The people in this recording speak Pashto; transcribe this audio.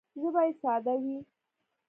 ژبه یې ساده وي